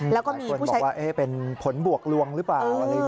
หลายคนบอกว่าเป็นผลบวกลวงหรือเปล่า